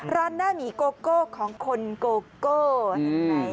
ร้านหน้าหมีโกโก้ของคนโกโก้แห่งไหน